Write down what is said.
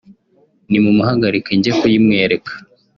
nimumuhagarike njye kuyimwereka